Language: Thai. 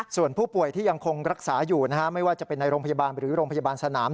ส่วนผู้ป่วยที่ยังคงรักษาอยู่นะฮะไม่ว่าจะเป็นในโรงพยาบาลหรือโรงพยาบาลสนาม